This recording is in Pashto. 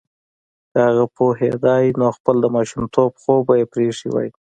که هغه پوهیدای نو خپل د ماشومتوب خوب به یې پریښی وای